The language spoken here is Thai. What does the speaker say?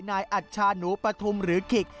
นายอัชชานุปฐุมหรือขิก